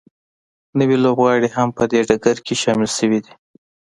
نوي لوبغاړي هم په دې ډګر کې شامل شوي دي